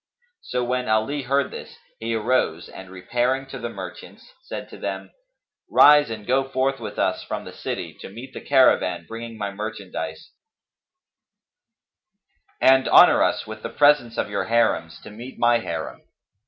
So when Ali heard this, he arose and repairing to the merchants, said to them, "Rise and go forth with us from the city, to meet the caravan bringing my merchandise, and honour us with the presence of your Harims, to meet my Harim."